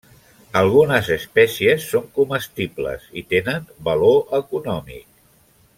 Algunes espècies són comestibles i tenen valor econòmic.